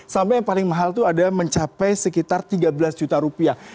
sampai yang paling mahal itu ada mencapai sekitar tiga belas juta rupiah